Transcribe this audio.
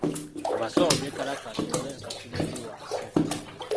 Abasawo beekalakaasa olw'ensasula eri wansi.